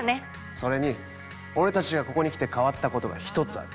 それに俺たちがここに来て変わったことが一つある。